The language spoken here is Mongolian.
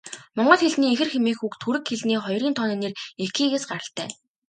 Монгол хэлний ихэр хэмээх үг түрэг хэлний хоёрын тооны нэр 'ики'-ээс гаралтай.